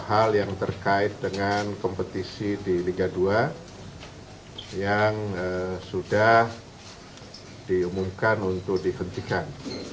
hal yang terkait dengan kompetisi di liga dua yang sudah diumumkan untuk dihentikan